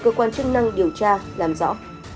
cơ quan chức năng điều tra làm rõ